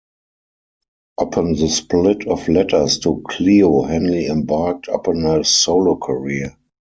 Upon the split of Letters to Cleo, Hanley embarked upon a solo career.